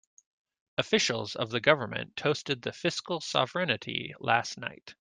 Officials of the government toasted the fiscal sovereignty last night.